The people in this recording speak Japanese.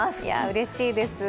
うれしいです。